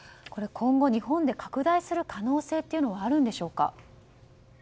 今後、日本で拡大する可能性というのはあるんでしょうか？